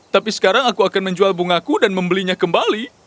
tapi sekarang aku akan menjual bungaku dan membelinya kembali